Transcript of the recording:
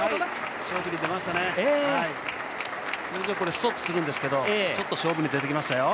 ストップするんですけど勝負に出てきましたよ。